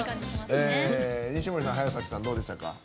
西森さん、早崎さんどうでしたか？